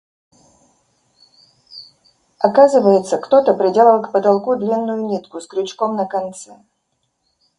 Оказывается, кто-то приделал к потолку длинную нитку с крючком на конце.